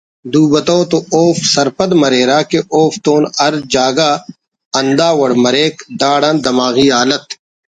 دو بتو تو اوفک سرپند مریرہ کہ اوفتتون ہر جاگہ ہنداوڑ مریک داڑان دماغی حالت